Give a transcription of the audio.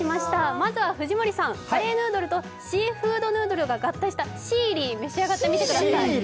まずは藤森さん、カレーヌードルとシーフードヌードルが合体したシーリー、召し上がってみてください。